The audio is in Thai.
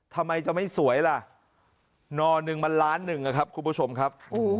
ทำไมจะไม่สวยล่ะนอหนึ่งมันล้านหนึ่งนะครับคุณผู้ชมครับ